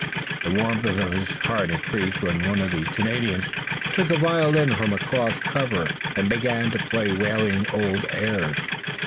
The warmth of his heart increased when one of the Canadians took a violin from a cloth cover and began to play wailing old airs.